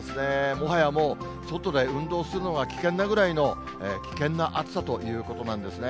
もはやもう、外で運動するのは危険なぐらいの危険な暑さということなんですね。